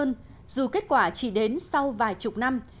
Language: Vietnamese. còn hơn dù kết quả chỉ đến sau vài chục năm